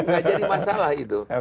nggak jadi masalah itu